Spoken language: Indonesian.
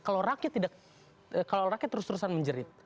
kalau rakyat tidak kalau rakyat terus terusan menjerit